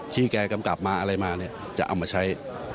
แกกำกลับมาอะไรมาเนี่ยจะเอามาใช้